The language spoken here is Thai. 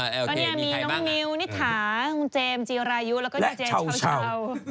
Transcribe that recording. เจมส์เซียนรายูแล้วก็เจมส์ชาว